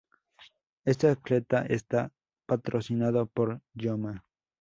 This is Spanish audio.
Este atleta está patrocinado por Joma.